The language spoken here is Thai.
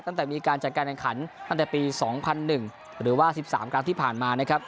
ตั้งแต่มีการจัดการแข่งขันตั้งแต่ปี๒๐๐๑หรือว่า๑๓ครั้งที่ผ่านมานะครับ